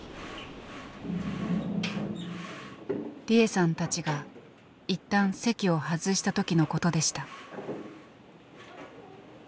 利枝さんたちが一旦席を外した時のことでした。